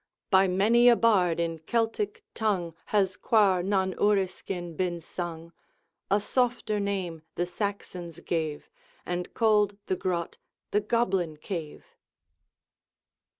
By many a bard in Celtic tongue Has Coir nan Uriskin been sung A softer name the Saxons gave, And called the grot the Goblin Cave.